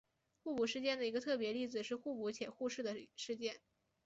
互补事件的一个特别例子是互补且互斥的事件。